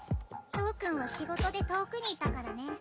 豹君は仕事で遠くにいたからね。